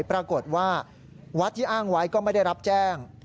ปรากฏว่าวัดที่อ้างไว้ก็ไม่ได้รับแจ้ง